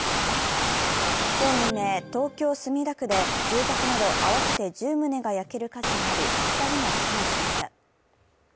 今日未明、東京・墨田区で住宅など合わせて１０棟が焼ける火事があり、２人がけがをしました。